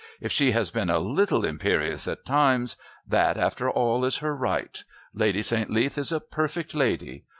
If she has been a little imperious at times, that after all is her right. Lady St. Leath is a perfect lady.